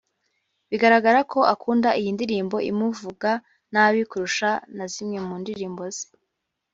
bigaragara ko akunda iyi ndirimbo imuvuga nabi kurusha na zimwe mu ndirimbo ze